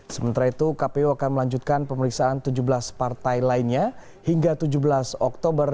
sementara itu kpu akan melanjutkan pemeriksaan tujuh belas partai lainnya hingga tujuh belas oktober